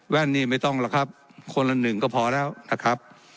นี้ไม่ต้องหรอกครับคนละหนึ่งก็พอแล้วนะครับ